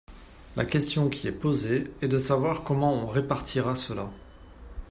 La question qui est posée est de savoir comment on répartira cela.